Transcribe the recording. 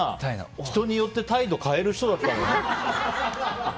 人によって態度変える人だったんだね。